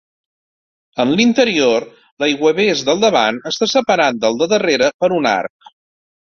En l'interior, l'aiguavés de davant està separat del de darrere per un arc.